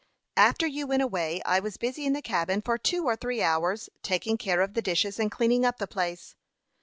"After you went away I was busy in the cabin for two or three hours, taking care of the dishes and cleaning up the place.